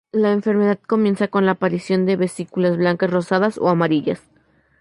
La enfermedad comienza con la aparición de vesículas blancas rosadas o amarillas.